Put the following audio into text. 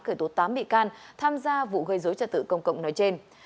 khởi tố tám bị can tham gia vụ gây dối trật tự công cộng nói trên